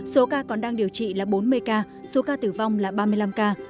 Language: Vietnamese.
số ca còn đang điều trị là bốn mươi ca số ca tử vong là ba mươi năm ca